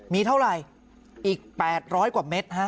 มีเท่าไหร่อีก๘๐๐กว่าเม็ดฮะ